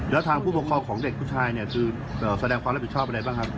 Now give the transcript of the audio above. แล้วทางผู้ปกครองของเด็กผู้ชายเนี่ยคือแสดงความรับผิดชอบอะไรบ้างครับ